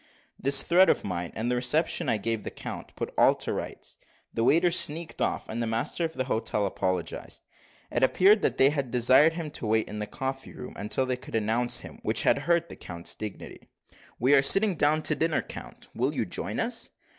This threat of mine, and the reception I gave the count, put all to rights. The waiters sneaked off, and the master of the hotel apologised. It appeared that they had desired him to wait in the coffee room until they could announce him, which had hurt the count's dignity. "We are sitting down to dinner, count; will you join us?"